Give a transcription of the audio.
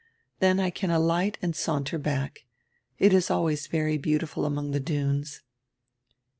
Then I can alight and saunter back. It is always very beautiful among the dunes."